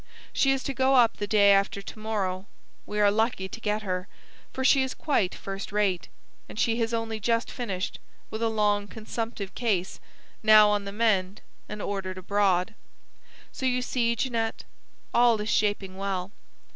She is to go up the day after to morrow. We are lucky to get her, for she is quite first rate, and she has only just finished with a long consumptive case, now on the mend and ordered abroad. So you see, Jeanette, all is shaping well.